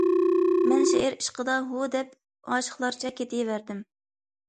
مەن شېئىر ئىشقىدا« ھۇ!» دەپ ئاشىقلارچە كېتىۋەردىم.